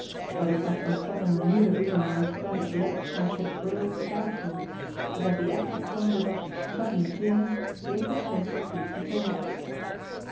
Whether Captain Sutton knew the reason why his friend had leapt from the ship's rail was doubtful; but that the act had conjured up sudden fear gave the purser food for thought.